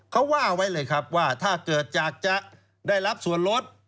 เขาว่าไว้เลยครับว่าถ้าเกิดจากจะได้รับส่วนลด